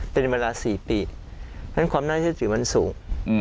เป็นเวลา๔ปีเพราะฉะนั้นความน่าเชื่อถือมันสูง